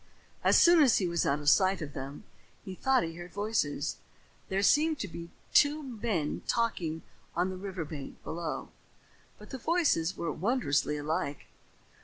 As soon as he was out of sight of them, he thought he heard voices. There seemed to be two men talking on the river bank below, but the voices were wondrously alike.